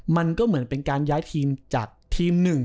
มันก็เหมือนเป็นการย้ายทีมจากทีมหนึ่ง